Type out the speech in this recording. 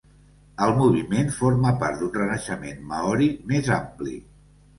El moviment forma part d'un renaixement maori més ampli.